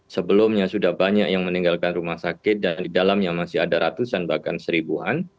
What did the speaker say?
sebelumnya sudah banyak yang meninggalkan rumah sakit dan di dalamnya masih ada ratusan bahkan seribuan